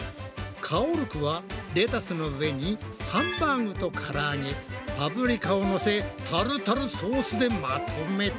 かおるこはレタスの上にハンバーグとからあげパプリカをのせタルタルソースでまとめた。